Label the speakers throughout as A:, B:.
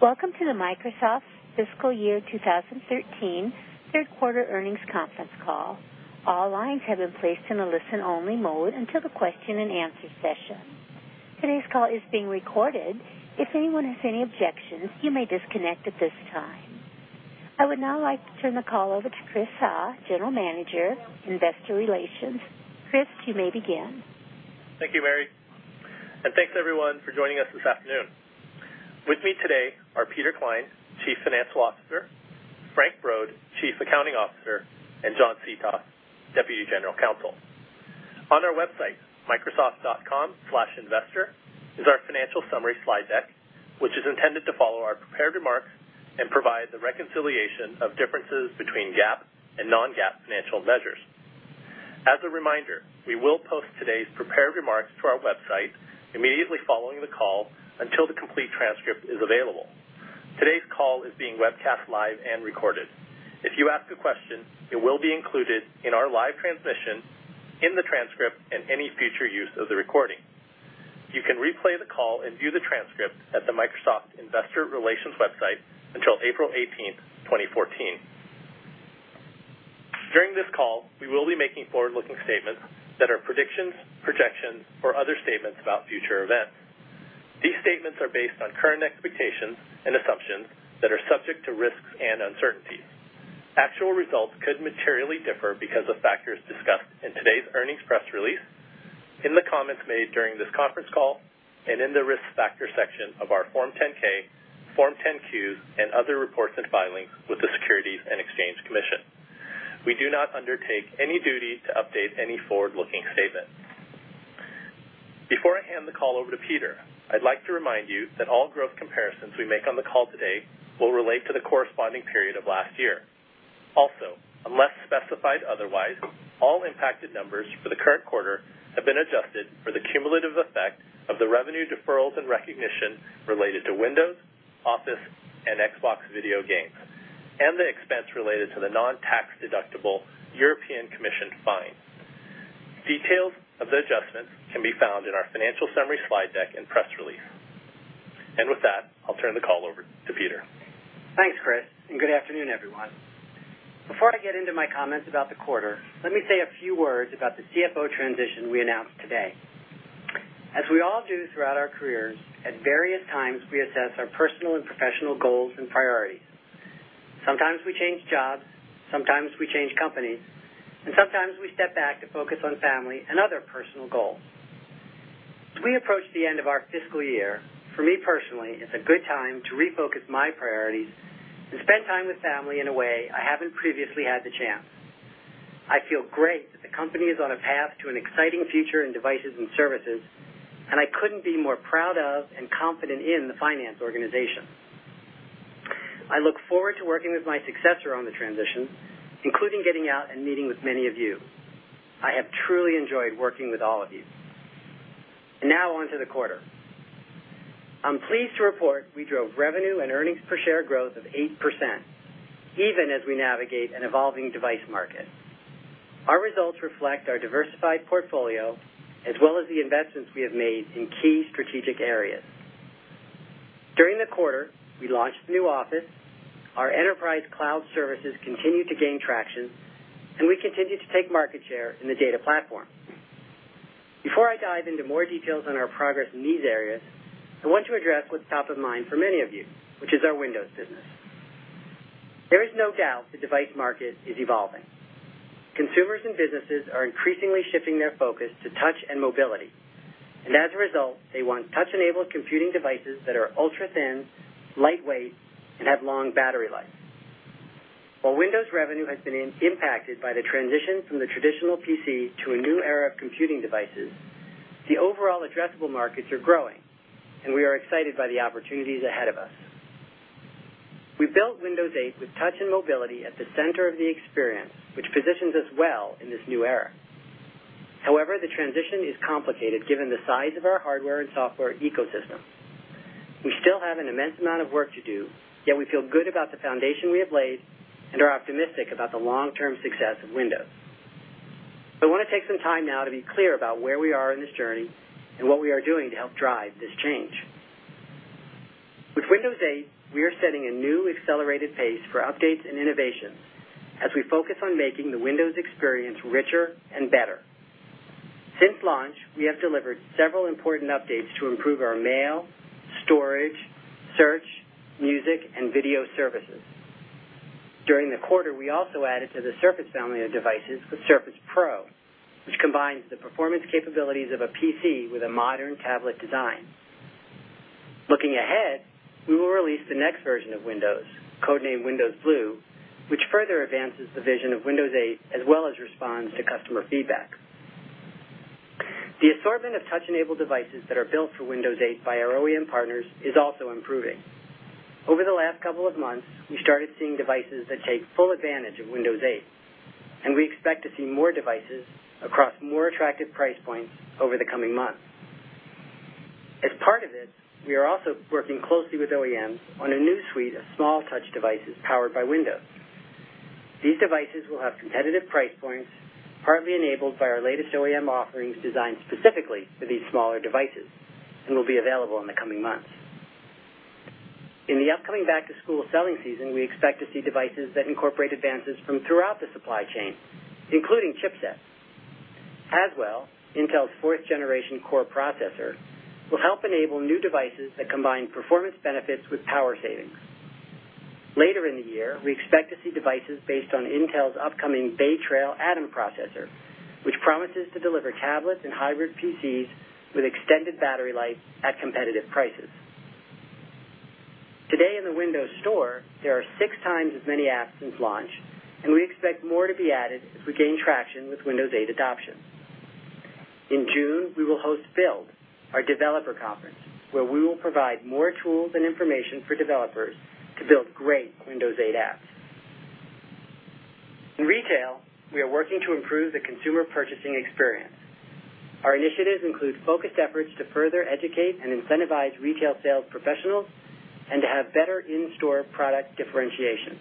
A: Welcome to the Microsoft Fiscal Year 2013 third quarter earnings conference call. All lines have been placed in a listen-only mode until the question and answer session. Today's call is being recorded. If anyone has any objections, you may disconnect at this time. I would now like to turn the call over to Chris Suh, General Manager, Investor Relations. Chris, you may begin.
B: Thank you, Mary. Thanks, everyone, for joining us this afternoon. With me today are Peter Klein, Chief Financial Officer, Frank Brod, Chief Accounting Officer, and John Seethoff, Deputy General Counsel. On our website, microsoft.com/investor, is our financial summary slide deck, which is intended to follow our prepared remarks and provide the reconciliation of differences between GAAP and non-GAAP financial measures. As a reminder, we will post today's prepared remarks to our website immediately following the call until the complete transcript is available. Today's call is being webcast live and recorded. If you ask a question, it will be included in our live transmission, in the transcript, and any future use of the recording. You can replay the call and view the transcript at the Microsoft Investor Relations website until April 18th, 2014. During this call, we will be making forward-looking statements that are predictions, projections, or other statements about future events. These statements are based on current expectations and assumptions that are subject to risks and uncertainties. Actual results could materially differ because of factors discussed in today's earnings press release, in the comments made during this conference call, and in the risk factor section of our Form 10-K, Form 10-Qs, and other reports and filings with the Securities and Exchange Commission. We do not undertake any duty to update any forward-looking statement. Before I hand the call over to Peter, I'd like to remind you that all growth comparisons we make on the call today will relate to the corresponding period of last year. Unless specified otherwise, all impacted numbers for the current quarter have been adjusted for the cumulative effect of the revenue deferrals and recognition related to Windows, Office, and Xbox video games, and the expense related to the non-tax deductible European Commission fine. Details of the adjustments can be found in our financial summary slide deck and press release. With that, I'll turn the call over to Peter.
C: Thanks, Chris, and good afternoon, everyone. Before I get into my comments about the quarter, let me say a few words about the CFO transition we announced today. As we all do throughout our careers, at various times, we assess our personal and professional goals and priorities. Sometimes we change jobs, sometimes we change companies, and sometimes we step back to focus on family and other personal goals. As we approach the end of our fiscal year, for me personally, it's a good time to refocus my priorities and spend time with family in a way I haven't previously had the chance. I feel great that the company is on a path to an exciting future in devices and services, and I couldn't be more proud of and confident in the finance organization. I look forward to working with my successor on the transition, including getting out and meeting with many of you. I have truly enjoyed working with all of you. Now onto the quarter. I'm pleased to report we drove revenue and earnings per share growth of 8%, even as we navigate an evolving device market. Our results reflect our diversified portfolio as well as the investments we have made in key strategic areas. During the quarter, we launched the new Office, our enterprise cloud services continued to gain traction, and we continued to take market share in the data platform. Before I dive into more details on our progress in these areas, I want to address what's top of mind for many of you, which is our Windows business. There is no doubt the device market is evolving. Consumers and businesses are increasingly shifting their focus to touch and mobility. As a result, they want touch-enabled computing devices that are ultra-thin, lightweight, and have long battery life. While Windows revenue has been impacted by the transition from the traditional PC to a new era of computing devices, the overall addressable markets are growing, and we are excited by the opportunities ahead of us. We built Windows 8 with touch and mobility at the center of the experience, which positions us well in this new era. However, the transition is complicated given the size of our hardware and software ecosystem. We still have an immense amount of work to do, yet we feel good about the foundation we have laid and are optimistic about the long-term success of Windows. I want to take some time now to be clear about where we are in this journey and what we are doing to help drive this change. With Windows 8, we are setting a new accelerated pace for updates and innovation as we focus on making the Windows experience richer and better. Since launch, we have delivered several important updates to improve our mail, storage, search, music, and video services. During the quarter, we also added to the Surface family of devices with Surface Pro, which combines the performance capabilities of a PC with a modern tablet design. Looking ahead, we will release the next version of Windows, code-named Windows Blue, which further advances the vision of Windows 8, as well as responds to customer feedback. The assortment of touch-enabled devices that are built for Windows 8 by our OEM partners is also improving. Over the last couple of months, we started seeing devices that take full advantage of Windows 8, and we expect to see more devices across more attractive price points over the coming months. As part of this, we are also working closely with OEMs on a new suite of small touch devices powered by Windows. These devices will have competitive price points, partly enabled by our latest OEM offerings designed specifically for these smaller devices and will be available in the coming months. In the upcoming back-to-school selling season, we expect to see devices that incorporate advances from throughout the supply chain, including chipsets. Haswell, Intel's fourth-generation Core processor, will help enable new devices that combine performance benefits with power savings. Later in the year, we expect to see devices based on Intel's upcoming Bay Trail Atom processor, which promises to deliver tablets and hybrid PCs with extended battery life at competitive prices. Today in the Windows Store, there are six times as many apps since launch, and we expect more to be added as we gain traction with Windows 8 adoption. In June, we will host Build, our developer conference, where we will provide more tools and information for developers to build great Windows 8 apps. In retail, we are working to improve the consumer purchasing experience. Our initiatives include focused efforts to further educate and incentivize retail sales professionals and to have better in-store product differentiation.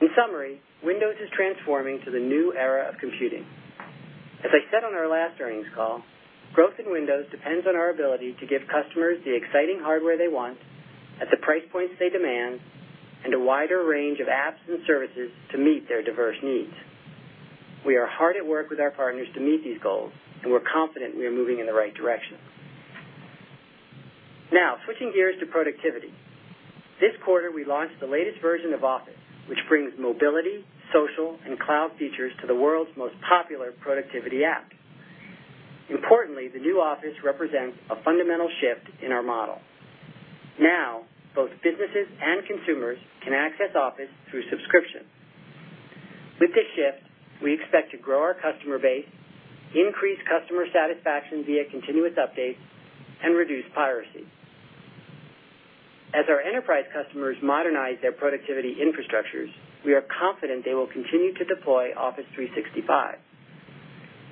C: In summary, Windows is transforming to the new era of computing. As I said on our last earnings call, growth in Windows depends on our ability to give customers the exciting hardware they want at the price points they demand and a wider range of apps and services to meet their diverse needs. We are hard at work with our partners to meet these goals, and we're confident we are moving in the right direction. Switching gears to productivity. This quarter, we launched the latest version of Office, which brings mobility, social, and cloud features to the world's most popular productivity app. Importantly, the new Office represents a fundamental shift in our model. Both businesses and consumers can access Office through subscription. With this shift, we expect to grow our customer base, increase customer satisfaction via continuous updates, and reduce piracy. As our enterprise customers modernize their productivity infrastructures, we are confident they will continue to deploy Office 365.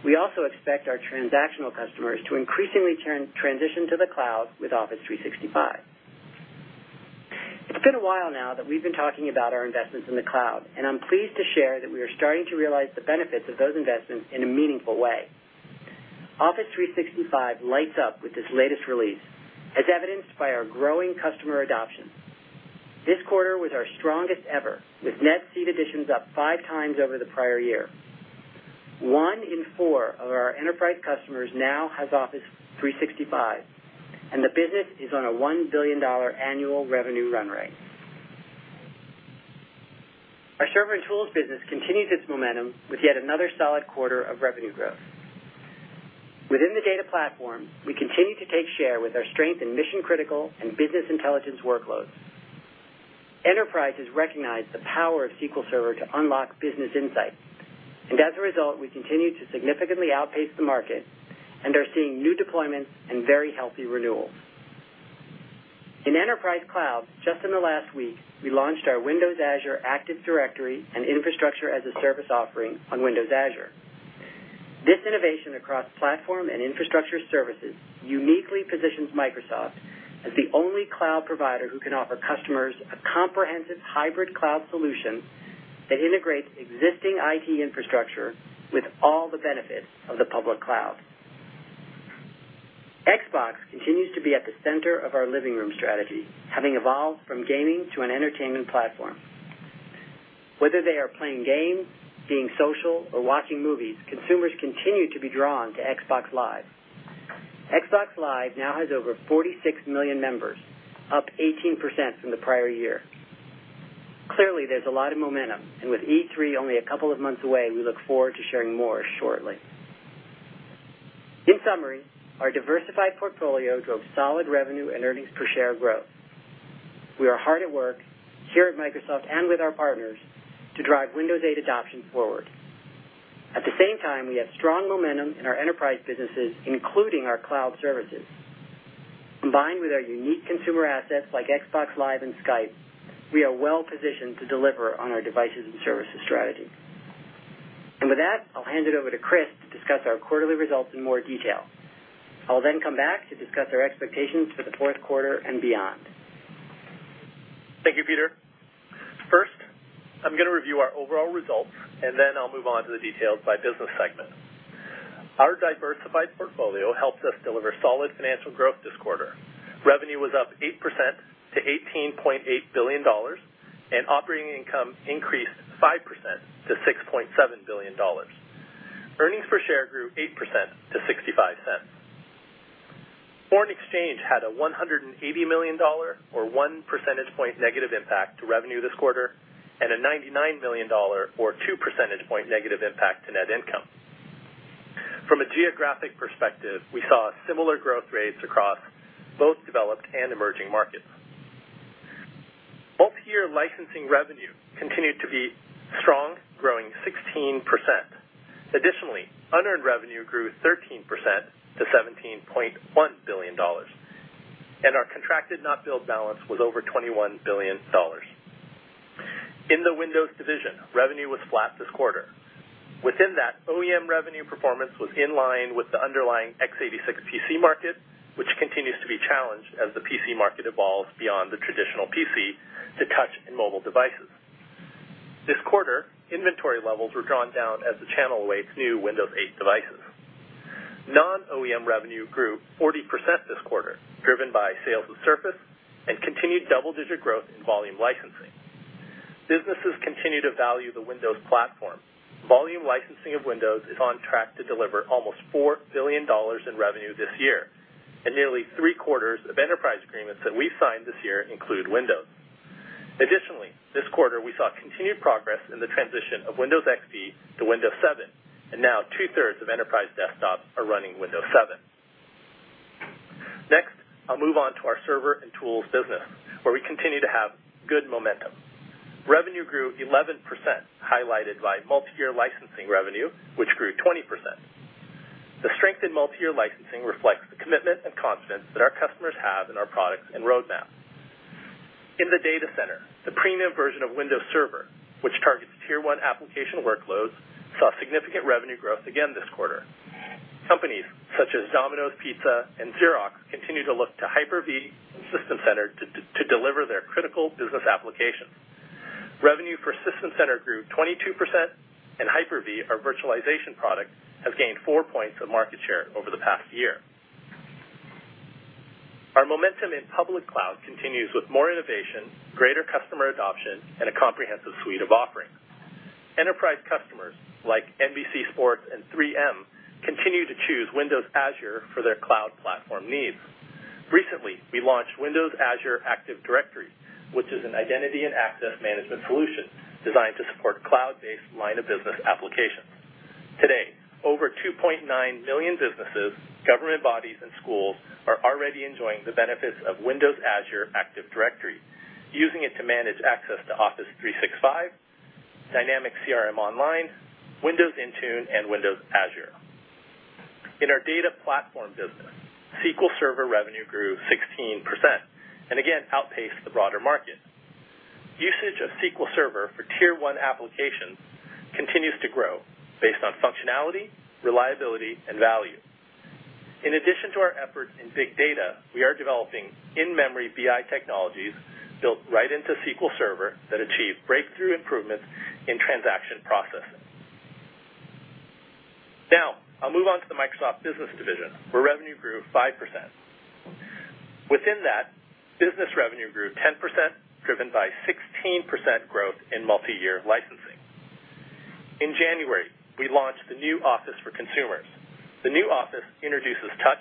C: We also expect our transactional customers to increasingly transition to the cloud with Office 365. It's been a while now that we've been talking about our investments in the cloud, and I'm pleased to share that we are starting to realize the benefits of those investments in a meaningful way. Office 365 lights up with this latest release, as evidenced by our growing customer adoption. This quarter was our strongest ever, with net seat additions up five times over the prior year. One in four of our enterprise customers now has Office 365, and the business is on a $1 billion annual revenue run rate. Our Server and Tools business continues its momentum with yet another solid quarter of revenue growth. Within the data platform, we continue to take share with our strength in mission-critical and Business Intelligence workloads. Enterprises recognize the power of SQL Server to unlock business insights. As a result, we continue to significantly outpace the market and are seeing new deployments and very healthy renewals. In enterprise cloud, just in the last week, we launched our Windows Azure Active Directory and Infrastructure as a Service offering on Windows Azure. This innovation across platform and infrastructure services uniquely positions Microsoft as the only cloud provider who can offer customers a comprehensive hybrid cloud solution that integrates existing IT infrastructure with all the benefits of the public cloud. Xbox continues to be at the center of our living room strategy, having evolved from gaming to an entertainment platform. Whether they are playing games, being social, or watching movies, consumers continue to be drawn to Xbox Live. Xbox Live now has over 46 million members, up 18% from the prior year. Clearly, there's a lot of momentum. With E3 only a couple of months away, we look forward to sharing more shortly. In summary, our diversified portfolio drove solid revenue and earnings per share growth. We are hard at work here at Microsoft and with our partners to drive Windows 8 adoption forward. At the same time, we have strong momentum in our enterprise businesses, including our cloud services. Combined with our unique consumer assets like Xbox Live and Skype, we are well positioned to deliver on our devices and services strategy. With that, I'll hand it over to Chris to discuss our quarterly results in more detail. I'll come back to discuss our expectations for the fourth quarter and beyond.
B: Thank you, Peter. First, I'm going to review our overall results. Then I'll move on to the details by business segment. Our diversified portfolio helped us deliver solid financial growth this quarter. Revenue was up 8% to $18.8 billion, and operating income increased 5% to $6.7 billion. Earnings per share grew 8% to $0.65. Foreign exchange had a $180 million or one percentage point negative impact to revenue this quarter and a $99 million or two percentage point negative impact to net income. From a geographic perspective, we saw similar growth rates across both developed and emerging markets. Multi-year licensing revenue continued to be strong, growing 16%. Additionally, unearned revenue grew 13% to $17.1 billion and our contracted not billed balance was over $21 billion. In the Windows division, revenue was flat this quarter. Within that, OEM revenue performance was in line with the underlying x86 PC market, which continues to be challenged as the PC market evolves beyond the traditional PC to touch and mobile devices. This quarter, inventory levels were drawn down as the channel awaits new Windows 8 devices. Non-OEM revenue grew 40% this quarter, driven by sales of Surface and continued double-digit growth in volume licensing. Businesses continue to value the Windows platform. Volume licensing of Windows is on track to deliver almost $4 billion in revenue this year. Nearly three quarters of enterprise agreements that we've signed this year include Windows. Additionally, this quarter we saw continued progress in the transition of Windows XP to Windows 7. Now two-thirds of enterprise desktops are running Windows 7. Next, I'll move on to our server and tools business, where we continue to have good momentum. Revenue grew 11%, highlighted by multi-year licensing revenue, which grew 20%. The strength in multi-year licensing reflects the commitment and confidence that our customers have in our products and roadmap. In the data center, the premium version of Windows Server, which targets tier 1 application workloads, saw significant revenue growth again this quarter. Companies such as Domino's Pizza and Xerox continue to look to Hyper-V and System Center to deliver their critical business applications. Revenue for System Center grew 22%, and Hyper-V, our virtualization product, has gained four points of market share over the past year. Our momentum in public cloud continues with more innovation, greater customer adoption, and a comprehensive suite of offerings. Enterprise customers like NBC Sports and 3M continue to choose Windows Azure for their cloud platform needs. Recently, we launched Windows Azure Active Directory, which is an identity and access management solution designed to support cloud-based line of business applications. Today, over 2.9 million businesses, government bodies, and schools are already enjoying the benefits of Windows Azure Active Directory, using it to manage access to Office 365, Dynamics CRM Online, Windows Intune, and Windows Azure. In our data platform business, SQL Server revenue grew 16% and again outpaced the broader market. Usage of SQL Server for tier 1 applications continues to grow based on functionality, reliability, and value. In addition to our efforts in big data, we are developing in-memory BI technologies built right into SQL Server that achieve breakthrough improvements in transaction processing. Now, I'll move on to the Microsoft Business Division, where revenue grew 5%. Within that, business revenue grew 10%, driven by 16% growth in multi-year licensing. In January, we launched the new Office for consumers. The new Office introduces touch,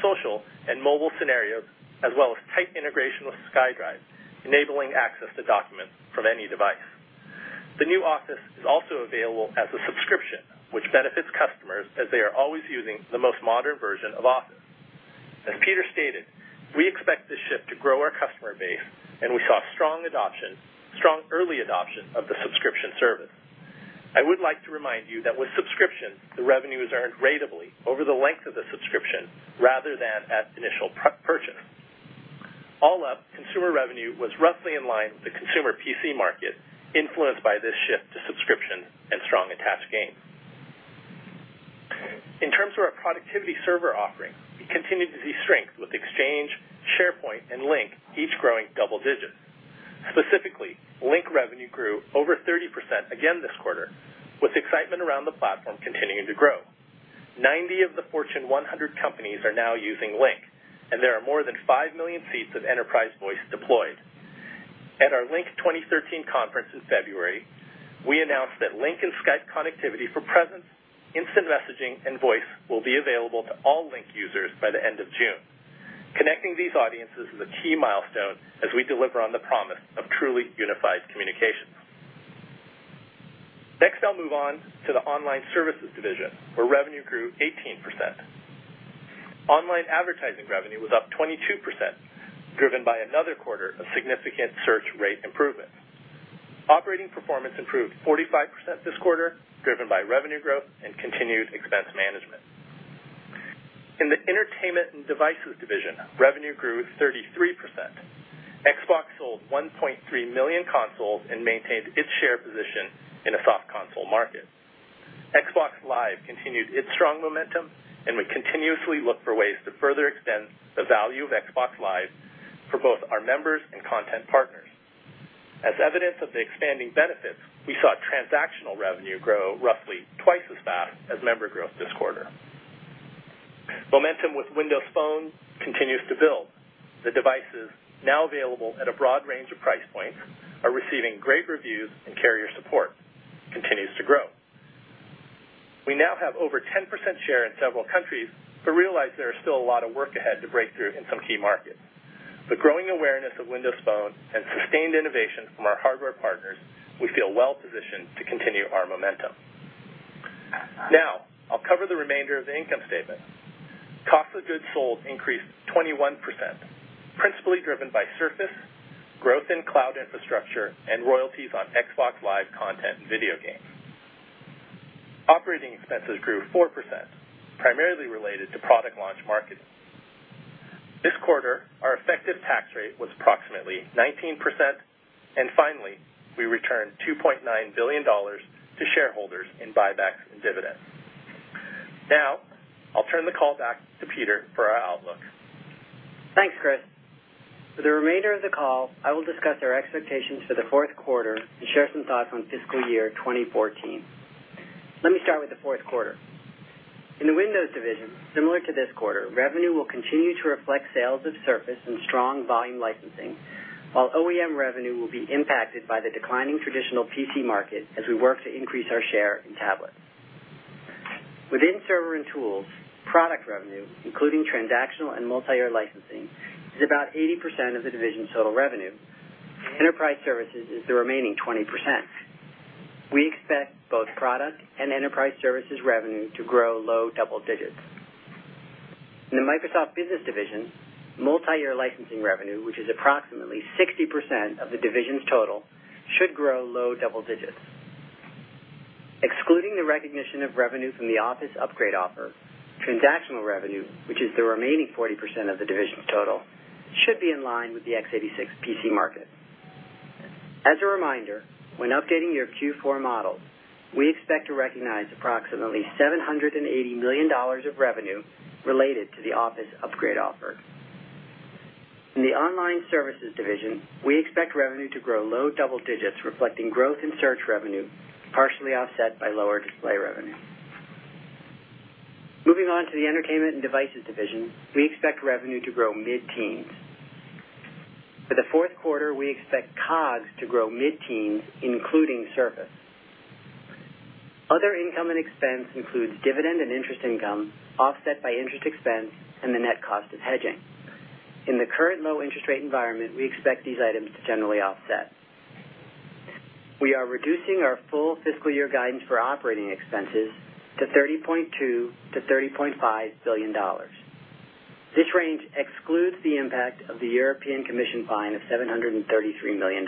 B: social, and mobile scenarios, as well as tight integration with SkyDrive, enabling access to documents from any device. The new Office is also available as a subscription, which benefits customers as they are always using the most modern version of Office. As Peter stated, we expect this shift to grow our customer base, and we saw strong early adoption of the subscription service. I would like to remind you that with subscription, the revenue is earned ratably over the length of the subscription rather than at initial purchase. All up, consumer revenue was roughly in line with the consumer PC market, influenced by this shift to subscription and strong attach gain. In terms of our productivity server offerings, we continued to see strength with Exchange, SharePoint, and Lync each growing double digits. Specifically, Lync revenue grew over 30% again this quarter, with excitement around the platform continuing to grow. 90 of the Fortune 100 companies are now using Lync, and there are more than 5 million seats of enterprise voice deployed. At our Lync 2013 conference in February, we announced that Lync and Skype connectivity for presence, instant messaging, and voice will be available to all Lync users by the end of June. Connecting these audiences is a key milestone as we deliver on the promise of truly unified communications. Next, I'll move on to the Online Services Division, where revenue grew 18%. Online advertising revenue was up 22%, driven by another quarter of significant search rate improvements. Operating performance improved 45% this quarter, driven by revenue growth and continued expense management. In the Entertainment and Devices Division, revenue grew 33%. Xbox sold 1.3 million consoles and maintained its share position in a soft console market. Xbox Live continued its strong momentum, and we continuously look for ways to further extend the value of Xbox Live for both our members and content partners. As evidence of the expanding benefits, we saw transactional revenue grow roughly twice as fast as member growth this quarter. Momentum with Windows Phone continues to build. The devices, now available at a broad range of price points, are receiving great reviews and carrier support continues to grow. We now have over 10% share in several countries, but realize there is still a lot of work ahead to break through in some key markets. With growing awareness of Windows Phone and sustained innovation from our hardware partners, we feel well positioned to continue our momentum. I'll cover the remainder of the income statement. Cost of goods sold increased 21%, principally driven by Surface, growth in cloud infrastructure, and royalties on Xbox Live content and video games. Operating expenses grew 4%, primarily related to product launch marketing. Rate was approximately 19%, and finally, we returned $2.9 billion to shareholders in buybacks and dividends. I'll turn the call back to Peter for our outlook.
C: Thanks, Chris. For the remainder of the call, I will discuss our expectations for the fourth quarter and share some thoughts on fiscal year 2014. Let me start with the fourth quarter. In the Windows Division, similar to this quarter, revenue will continue to reflect sales of Surface and strong volume licensing, while OEM revenue will be impacted by the declining traditional PC market as we work to increase our share in tablets. Within Server and Tools, product revenue, including transactional and multiyear licensing, is about 80% of the division's total revenue. Enterprise services is the remaining 20%. We expect both product and enterprise services revenue to grow low double digits. In the Microsoft Business Division, multiyear licensing revenue, which is approximately 60% of the division's total, should grow low double digits. Excluding the recognition of revenue from the Office Upgrade Offer, transactional revenue, which is the remaining 40% of the division total, should be in line with the x86 PC market. As a reminder, when updating your Q4 models, we expect to recognize approximately $780 million of revenue related to the Office Upgrade Offer. In the Online Services Division, we expect revenue to grow low double digits, reflecting growth in search revenue, partially offset by lower display revenue. Moving on to the Entertainment and Devices Division, we expect revenue to grow mid-teens. For the fourth quarter, we expect COGS to grow mid-teens, including Surface. Other income and expense includes dividend and interest income, offset by interest expense and the net cost of hedging. In the current low interest rate environment, we expect these items to generally offset. We are reducing our full fiscal year guidance for operating expenses to $30.2 billion-$30.5 billion. This range excludes the impact of the European Commission fine of $733 million.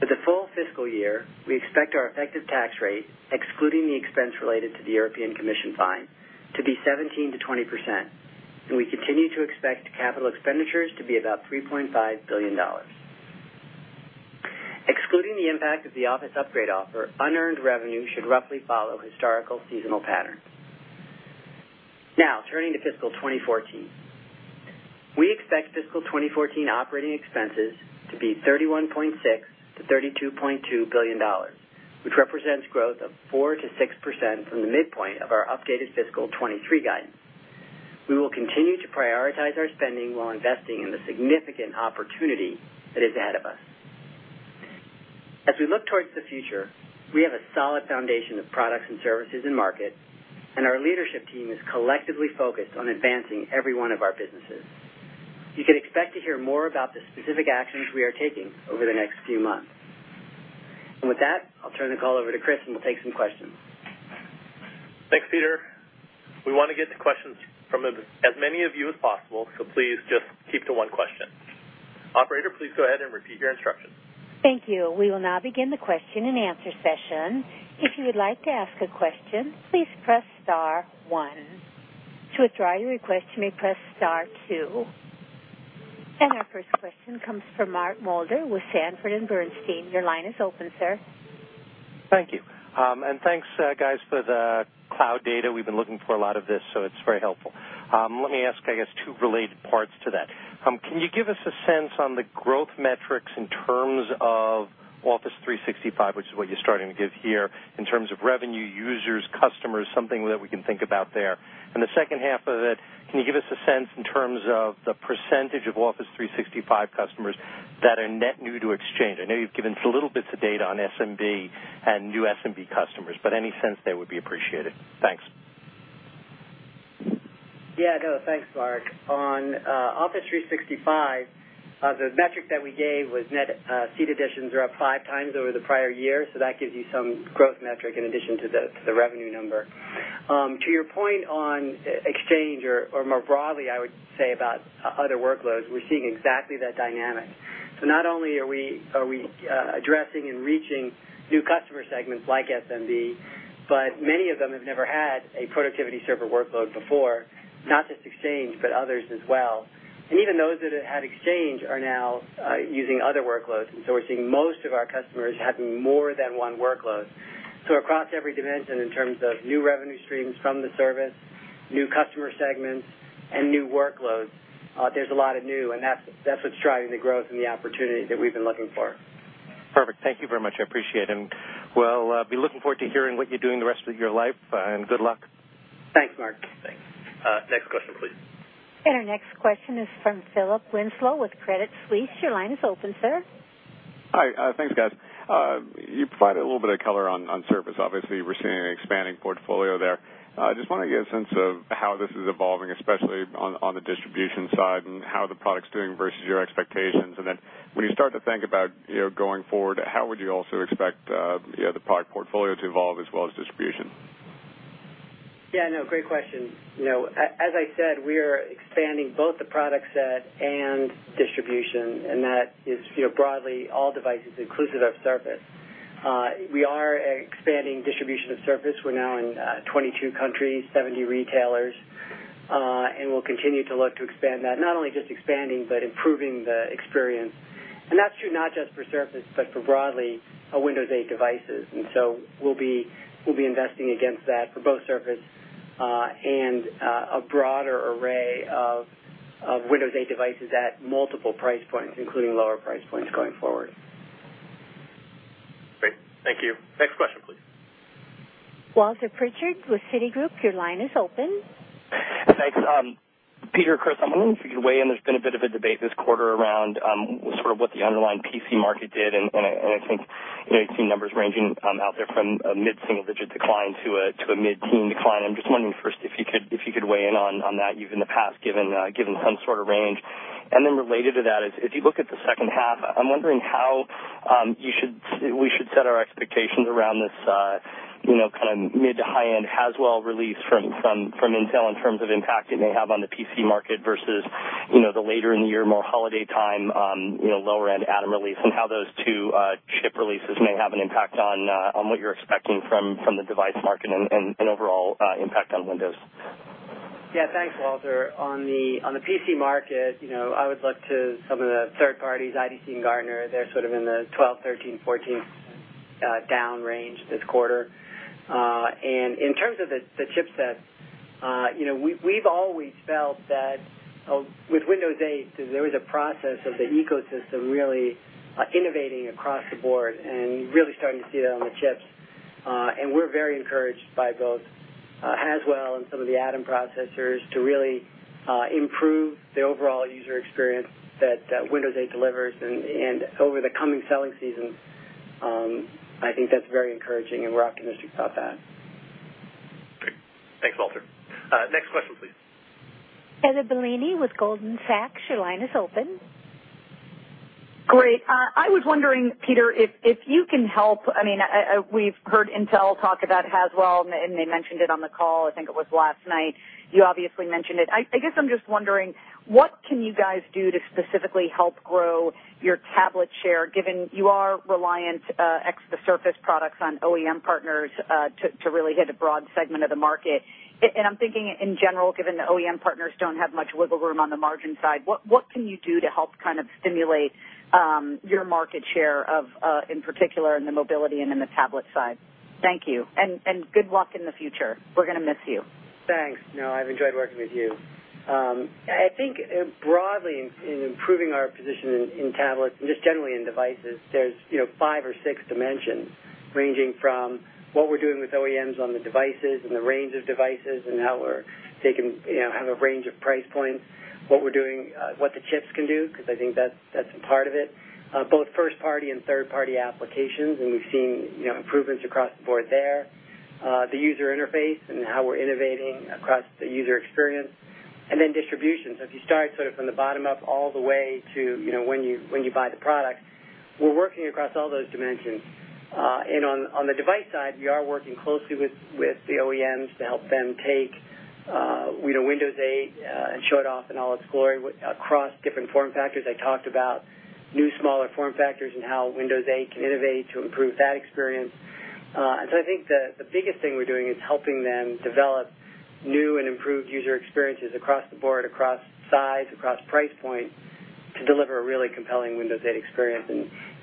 C: For the full fiscal year, we expect our effective tax rate, excluding the expense related to the European Commission fine, to be 17%-20%, and we continue to expect capital expenditures to be about $3.5 billion. Excluding the impact of the Office Upgrade Offer, unearned revenue should roughly follow historical seasonal patterns. Turning to fiscal 2014. We expect fiscal 2014 operating expenses to be $31.6 billion-$32.2 billion, which represents growth of 4%-6% from the midpoint of our updated fiscal 2013 guidance. We will continue to prioritize our spending while investing in the significant opportunity that is ahead of us. As we look towards the future, we have a solid foundation of products and services in market, and our leadership team is collectively focused on advancing every one of our businesses. You can expect to hear more about the specific actions we are taking over the next few months. With that, I'll turn the call over to Chris, and we'll take some questions.
B: Thanks, Peter. We want to get to questions from as many of you as possible, please just keep to one question. Operator, please go ahead and repeat your instructions.
A: Thank you. We will now begin the question and answer session. If you would like to ask a question, please press star one. To withdraw your request, you may press star two. Our first question comes from Mark Moerdler with Sanford C. Bernstein. Your line is open, sir.
D: Thank you. Thanks guys for the cloud data. We've been looking for a lot of this, so it's very helpful. Let me ask, I guess, two related parts to that. Can you give us a sense on the growth metrics in terms of Office 365, which is what you're starting to give here, in terms of revenue, users, customers, something that we can think about there? The second half of it, can you give us a sense in terms of the percentage of Office 365 customers that are net new to Exchange? I know you've given little bits of data on SMB and new SMB customers, but any sense there would be appreciated. Thanks.
C: Yeah, no, thanks, Mark. On Office 365, the metric that we gave was net seat additions are up five times over the prior year. That gives you some growth metric in addition to the revenue number. To your point on Exchange or more broadly, I would say about other workloads, we're seeing exactly that dynamic. Not only are we addressing and reaching new customer segments like SMB, but many of them have never had a productivity server workload before, not just Exchange, but others as well. Even those that have had Exchange are now using other workloads. We're seeing most of our customers having more than one workload. Across every dimension in terms of new revenue streams from the service, new customer segments, and new workloads, there's a lot of new and that's what's driving the growth and the opportunity that we've been looking for.
D: Perfect. Thank you very much. I appreciate it. Well, I'll be looking forward to hearing what you're doing the rest of your life and good luck.
C: Thanks, Mark.
B: Thanks. Next question, please.
A: Our next question is from Philip Winslow with Credit Suisse. Your line is open, sir.
E: Hi. Thanks, guys. You provided a little bit of color on Surface. Obviously, we're seeing an expanding portfolio there. I just want to get a sense of how this is evolving, especially on the distribution side and how the product's doing versus your expectations. When you start to think about going forward, how would you also expect the product portfolio to evolve as well as distribution?
C: Yeah, no, great question. As I said, we are expanding both the product set and distribution, and that is broadly all devices inclusive of Surface. We are expanding distribution of Surface. We're now in 22 countries, 70 retailers, we'll continue to look to expand that, not only just expanding but improving the experience. That's true not just for Surface, but for broadly Windows 8 devices. So we'll be investing against that for both Surface and a broader array of Windows 8 devices at multiple price points, including lower price points going forward.
B: Great. Thank you. Next question, please.
A: Walter Pritchard with Citigroup, your line is open.
F: Thanks. Peter, Chris, I'm wondering if you could weigh in. There's been a bit of a debate this quarter around sort of what the underlying PC market did. I think you've seen numbers ranging out there from a mid-single-digit decline to a mid-teen decline. I'm just wondering first if you could weigh in on that. You've in the past given some sort of range. Then related to that, if you look at the second half, I'm wondering how we should set our expectations around this mid- to high-end Haswell release from Intel in terms of impact it may have on the PC market versus the later in the year, more holiday time, lower-end Atom release and how those two chip releases may have an impact on what you're expecting from the device market and an overall impact on Windows.
C: Yeah. Thanks, Walter. On the PC market, I would look to some of the third parties, IDC and Gartner. They're sort of in the 12th, 13th, 14th down range this quarter. In terms of the chip set, we've always felt that with Windows 8, there was a process of the ecosystem really innovating across the board and really starting to see that on the chips. We're very encouraged by both Haswell and some of the Atom processors to really improve the overall user experience that Windows 8 delivers and over the coming selling season. I think that's very encouraging, and we're optimistic about that.
B: Great. Thanks, Walter. Next question, please.
A: Heather Bellini with Goldman Sachs, your line is open.
G: Great. I was wondering, Peter, if you can help. We've heard Intel talk about Haswell. They mentioned it on the call, I think it was last night. You obviously mentioned it. I guess I'm just wondering, what can you guys do to specifically help grow your tablet share, given you are reliant ex the Surface products on OEM partners to really hit a broad segment of the market? I'm thinking in general, given the OEM partners don't have much wiggle room on the margin side, what can you do to help kind of stimulate your market share of, in particular, in the mobility and in the tablet side? Thank you. Good luck in the future. We're going to miss you.
C: Thanks. No, I've enjoyed working with you. I think broadly in improving our position in tablets and just generally in devices, there's five or six dimensions ranging from what we're doing with OEMs on the devices and the range of devices and how we're taking a range of price points, what the chips can do, because I think that's a part of it, both first-party and third-party applications. We've seen improvements across the board there, the user interface and how we're innovating across the user experience, and then distribution. If you start sort of from the bottom up all the way to when you buy the product, we're working across all those dimensions. On the device side, we are working closely with the OEMs to help them take Windows 8 and show it off in all its glory across different form factors. I talked about new, smaller form factors and how Windows 8 can innovate to improve that experience. I think the biggest thing we're doing is helping them develop new and improved user experiences across the board, across size, across price point to deliver a really compelling Windows 8 experience.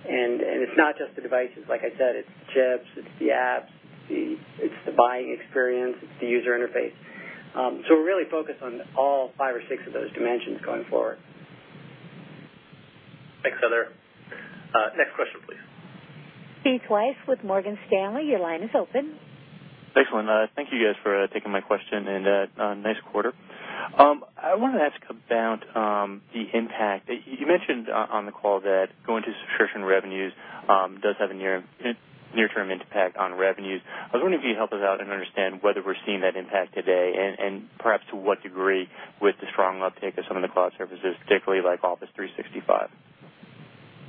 C: It's not just the devices. Like I said, it's chips, it's the apps, it's the buying experience, it's the user interface. We're really focused on all five or six of those dimensions going forward.
B: Thanks, Heather. Next question, please.
A: Steve Weiss with Morgan Stanley, your line is open.
H: Excellent. Thank you guys for taking my question, and nice quarter. I wanted to ask about the impact. You mentioned on the call that going to subscription revenues does have a near-term impact on revenues. I was wondering if you could help us out and understand whether we're seeing that impact today and perhaps to what degree with the strong uptake of some of the cloud services, particularly like Office 365.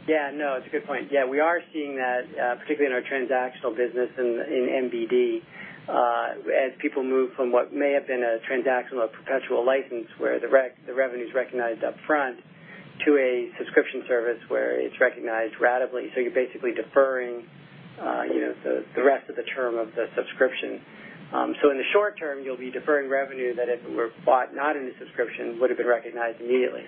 C: Yeah, no, it's a good point. Yeah, we are seeing that, particularly in our transactional business in MBD. As people move from what may have been a transactional or perpetual license where the revenue's recognized upfront to a subscription service where it's recognized ratably. You're basically deferring the rest of the term of the subscription. In the short term, you'll be deferring revenue that if it were bought not in a subscription, would have been recognized immediately.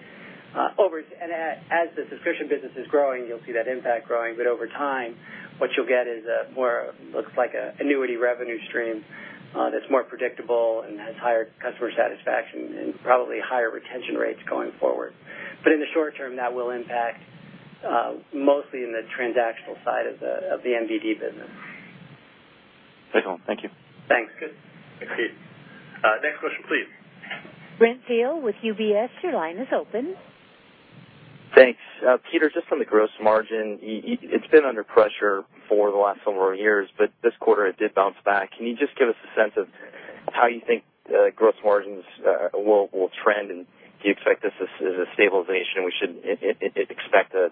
C: As the subscription business is growing, you'll see that impact growing. Over time, what you'll get is what looks like an annuity revenue stream that's more predictable and has higher customer satisfaction and probably higher retention rates going forward. In the short term, that will impact mostly in the transactional side of the MBD business.
H: Thanks. Thank you.
C: Thanks.
B: Thanks, Steve. Next question, please.
A: Brent Thill with UBS, your line is open.
I: Thanks. Peter, just on the gross margin, it's been under pressure for the last several years. This quarter it did bounce back. Can you just give us a sense of how you think gross margins will trend, do you expect this is a stabilization we should expect a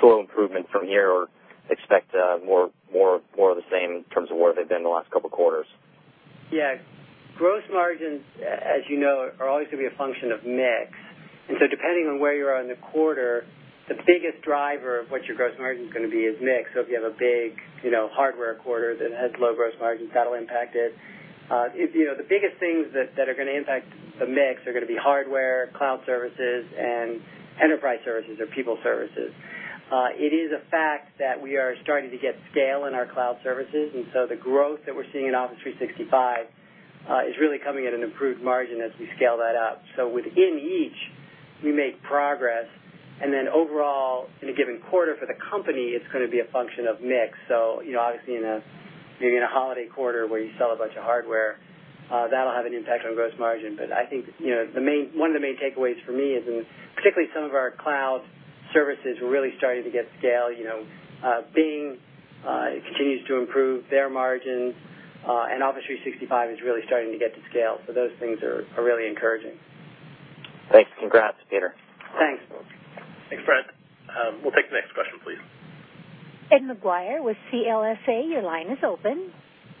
I: slow improvement from here or expect more of the same in terms of where they've been the last couple of quarters?
C: Yeah. Gross margins, as you know, are always going to be a function of mix. Depending on where you are in the quarter, the biggest driver of what your gross margin is going to be is mix. If you have a big hardware quarter that has low gross margins, that'll impact it. The biggest things that are going to impact the mix are going to be hardware, cloud services, and enterprise services or people services. It is a fact that we are starting to get scale in our cloud services. The growth that we're seeing in Office 365 is really coming at an improved margin as we scale that up. Within each, we make progress, and then overall, in a given quarter for the company, it's going to be a function of mix. Obviously, maybe in a holiday quarter where you sell a bunch of hardware, that'll have an impact on gross margin. I think one of the main takeaways for me is in particularly some of our cloud services, we're really starting to get scale. Bing continues to improve their margin. Office 365 is really starting to get to scale. Those things are really encouraging.
I: Thanks. Congrats, Peter.
C: Thanks.
B: Thanks, Brent. We'll take the next question, please.
A: Ed Maguire with CLSA, your line is open.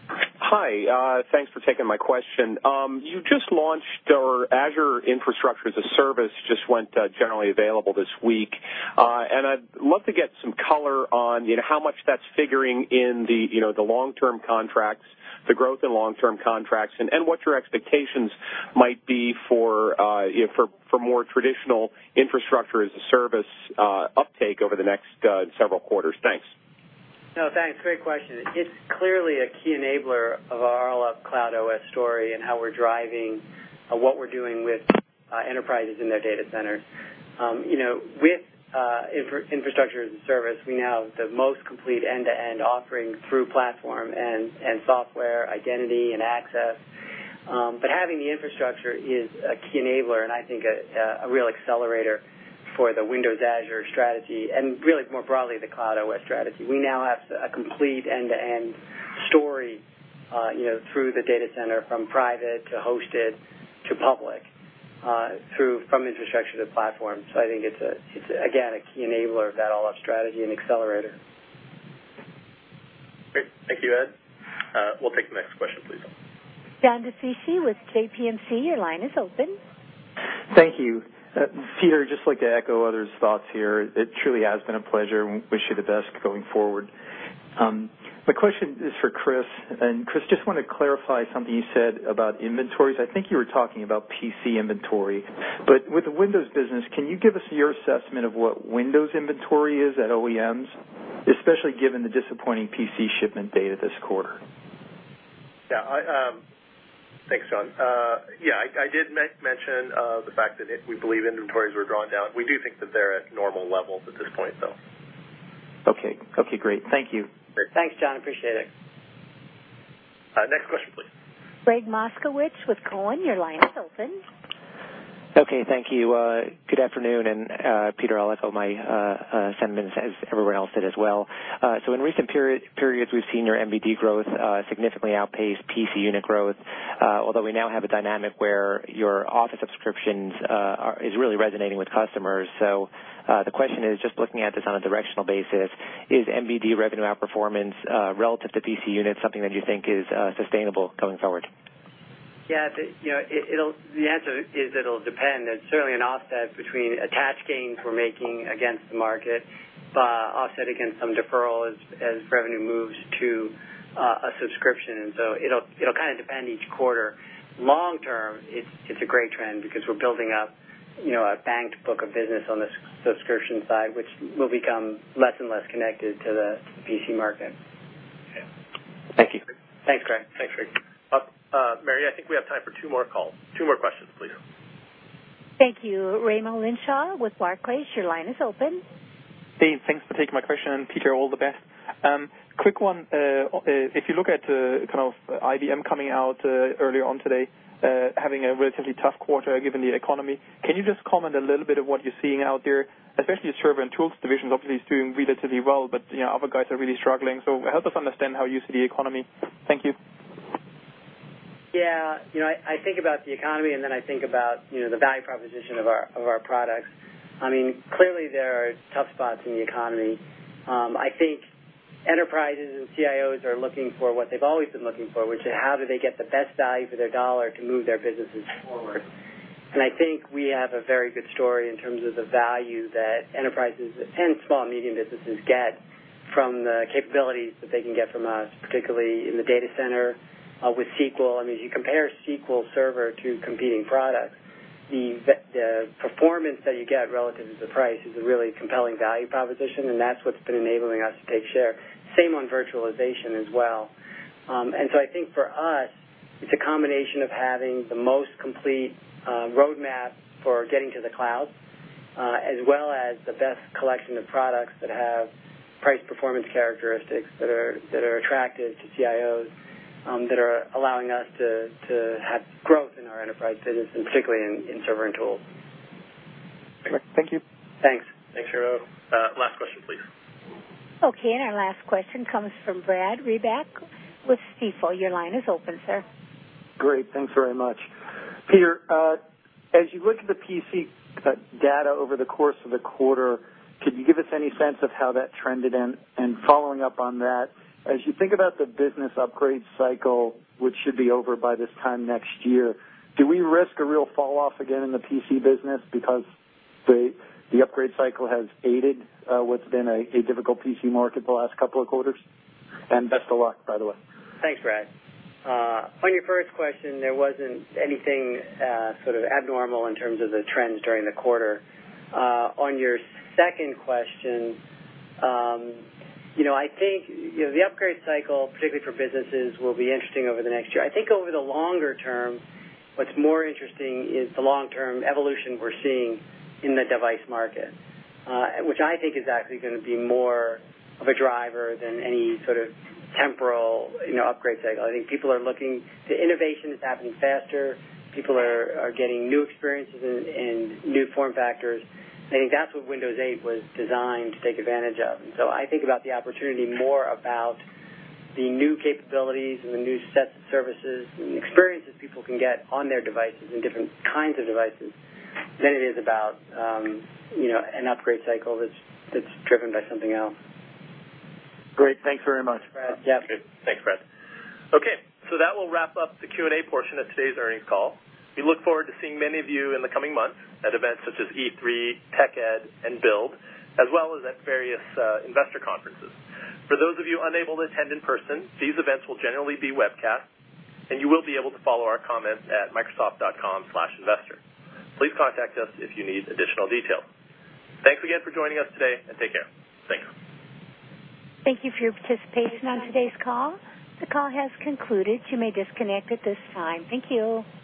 J: Hi. Thanks for taking my question. You just launched our Azure infrastructure as a service just went generally available this week. I'd love to get some color on how much that's figuring in the long-term contracts, the growth in long-term contracts, and what your expectations might be for more traditional infrastructure-as-a-service uptake over the next several quarters. Thanks.
C: No, thanks. Great question. It's clearly a key enabler of our all-up Cloud OS story and how we're driving what we're doing with enterprises in their data centers. With infrastructure as a service, we now have the most complete end-to-end offering through platform and software identity and access. Having the infrastructure is a key enabler and I think a real accelerator for the Windows Azure strategy and really more broadly, the Cloud OS strategy. We now have a complete end-to-end story through the data center from private to hosted to public, from infrastructure to platform. I think it's, again, a key enabler of that all-up strategy and accelerator.
B: Great. Thank you, Ed. We'll take the next question, please.
A: John DiFucci with JPMC, your line is open.
K: Thank you. Peter, just like to echo others' thoughts here. It truly has been a pleasure, and wish you the best going forward. My question is for Chris, just want to clarify something you said about inventories. I think you were talking about PC inventory. With the Windows business, can you give us your assessment of what Windows inventory is at OEMs, especially given the disappointing PC shipment data this quarter?
B: Yeah. Thanks, John. Yeah, I did mention the fact that we believe inventories were drawn down. We do think that they're at normal levels at this point, though.
K: Okay. Okay, great. Thank you.
C: Great. Thanks, John. Appreciate it.
B: Next question, please.
A: Gregg Moskowitz with Cowen, your line is open.
L: Okay, thank you. Good afternoon, Peter, I'll echo my sentiments as everyone else did as well. In recent periods, we've seen your MBD growth significantly outpace PC unit growth, although we now have a dynamic where your Office subscriptions is really resonating with customers. The question is, just looking at this on a directional basis, is MBD revenue outperformance relative to PC units something that you think is sustainable going forward?
C: Yeah. The answer is it'll depend. There's certainly an offset between attach gains we're making against the market, but offset against some deferral as revenue moves to a subscription. It'll kind of depend each quarter. Long term, it's a great trend because we're building up a banked book of business on the subscription side, which will become less and less connected to the PC market.
L: Okay. Thank you.
C: Thanks, Gregg.
B: Thanks, Gregg. Mary, I think we have time for two more calls. Two more questions, please.
A: Thank you. Raimo Lenschow with Barclays, your line is open.
M: Hey, thanks for taking my question, and Peter, all the best. Quick one, if you look at kind of IBM coming out earlier on today, having a relatively tough quarter given the economy, can you just comment a little bit of what you're seeing out there? Especially the server and tools divisions, obviously it's doing relatively well, but other guys are really struggling. Help us understand how you see the economy. Thank you.
C: Yeah. I think about the economy. I think about the value proposition of our products. Clearly there are tough spots in the economy. I think enterprises and CIOs are looking for what they've always been looking for, which is how do they get the best value for their dollar to move their businesses forward. I think we have a very good story in terms of the value that enterprises and small-medium businesses get from the capabilities that they can get from us, particularly in the data center with SQL. If you compare SQL Server to competing products, the performance that you get relative to the price is a really compelling value proposition, and that's what's been enabling us to take share. Same on virtualization as well. I think for us, it's a combination of having the most complete roadmap for getting to the cloud, as well as the best collection of products that have price-performance characteristics that are attractive to CIOs that are allowing us to have growth in our enterprise business, and particularly in server and tools.
M: Great. Thank you.
C: Thanks.
B: Thanks, Raimo. Last question, please.
A: Okay, our last question comes from Brad Reback with Stifel. Your line is open, sir.
N: Great. Thanks very much Peter, as you look at the PC data over the course of the quarter, can you give us any sense of how that trended in? Following up on that, as you think about the business upgrade cycle, which should be over by this time next year, do we risk a real fall off again in the PC business because the upgrade cycle has aided what's been a difficult PC market the last couple of quarters? Best of luck, by the way.
C: Thanks, Brad. On your first question, there wasn't anything sort of abnormal in terms of the trends during the quarter. On your second question, I think, the upgrade cycle, particularly for businesses, will be interesting over the next year. I think over the longer term, what's more interesting is the long-term evolution we're seeing in the device market, which I think is actually going to be more of a driver than any sort of temporal upgrade cycle. I think people are looking to innovations happening faster. People are getting new experiences and new form factors. I think that's what Windows 8 was designed to take advantage of. I think about the opportunity more about the new capabilities and the new sets of services and experiences people can get on their devices and different kinds of devices than it is about an upgrade cycle that's driven by something else.
N: Great. Thanks very much.
C: Brad. Yeah.
B: Thanks, Brad. That will wrap up the Q&A portion of today's earnings call. We look forward to seeing many of you in the coming months at events such as E3, TechEd, and Build, as well as at various investor conferences. For those of you unable to attend in person, these events will generally be webcast, and you will be able to follow our comments at microsoft.com/investor. Please contact us if you need additional detail. Thanks again for joining us today, and take care. Thanks.
A: Thank you for your participation on today's call. The call has concluded. You may disconnect at this time. Thank you.